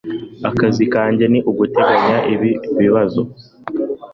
Akazi kanjye ni uguteganya ibibazo.